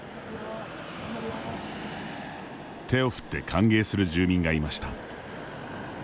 手を振って歓迎する住民がいました。